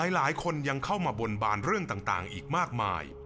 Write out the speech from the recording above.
หลายคนยังเข้ามาบนบานเรื่องต่างอีกมากมาย